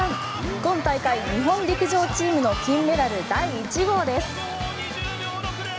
今大会日本陸上チームの金メダル第１号です。